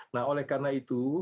nah oleh karena itu